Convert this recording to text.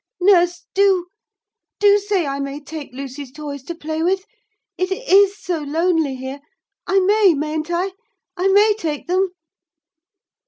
'Nurse, do do say I may take Lucy's toys to play with; it is so lonely here. I may, mayn't I? I may take them?'